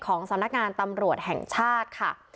ของสถานการณ์ตำรวจแห่งชาติค่ะ